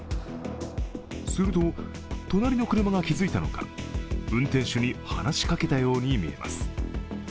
すると、隣の車が気付いたのか運転手に話しかけたように見えます。